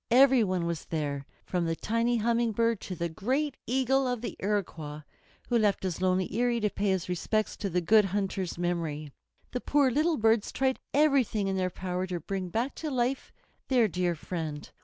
Every one was there, from the tiny Humming Bird to the great Eagle of the Iroquois, who left his lonely eyrie to pay his respects to the Good Hunter's memory. The poor little birds tried everything in their power to bring back to life their dear friend.